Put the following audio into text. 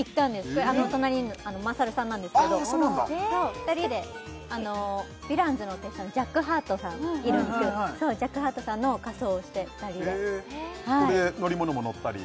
これ隣にいるの優さんなんですけど２人でヴィランズの手下のジャックハートさんいるんですけどそのジャックハートさんの仮装をして２人でこれで乗り物も乗ったり？